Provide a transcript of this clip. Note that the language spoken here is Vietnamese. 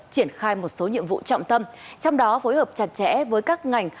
triển khai một số nhiệm vụ trọng tâm trong đó phối hợp chặt chẽ với các ngành